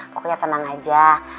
pokoknya tenang aja